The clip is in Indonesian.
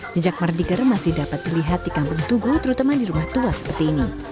jejak mardiker masih dapat dilihat di kampung tugu terutama di rumah tua seperti ini